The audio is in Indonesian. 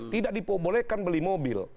tidak dibolehkan beli mobil